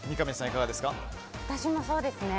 私もそうですね。